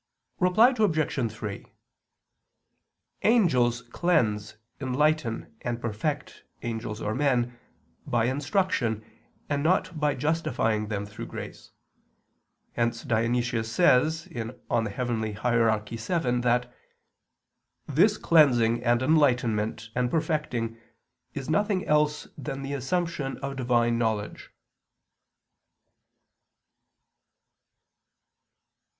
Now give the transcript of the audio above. Reply Obj. 3: Angels cleanse, enlighten, and perfect angels or men, by instruction, and not by justifying them through grace. Hence Dionysius says (Coel. Hier. vii) that "this cleansing and enlightenment and perfecting is nothing else than the assumption of Divine knowledge."